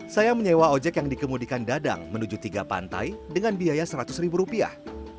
saya menyewa ojek yang dikemudikan dadang menuju tiga pantai dengan biaya seratus ribu rupiah